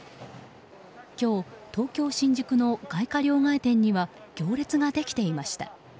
今日、東京・新宿の外貨両替店には行列ができていました。